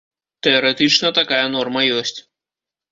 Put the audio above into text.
Тэарэтычна, такая норма ёсць.